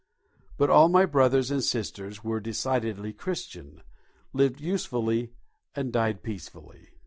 But all my brothers and sisters were decidedly Christian, lived usefully and died peacefully.